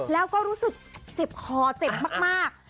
แล้วก็รู้สึกเจ็บคอเจ็บมาก